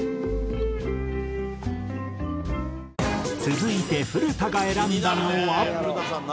続いて古田が選んだのは。